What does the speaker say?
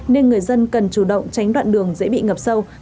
nên người dân cần chủ động tránh đoạn đường dễ bị ngập sâu